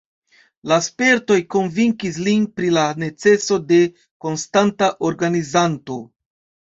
La spertoj konvinkis lin pri la neceso de konstanta organizanto.